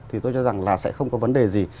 thì tôi cho rằng là sẽ không có vấn đề gì